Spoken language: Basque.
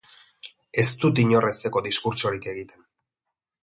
Ez dut inor hezteko diskurtsorik egiten.